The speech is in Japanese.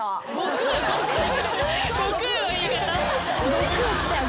悟空きたよ